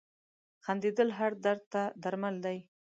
• خندېدل هر درد ته درمل دي.